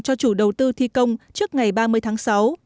cho chủ đầu tư thi công trước ngày ba mươi tháng sáu